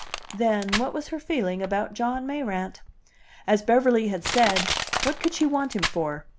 Then, what was her feeling about John Mayrant? As Beverly had said, what could she want him for?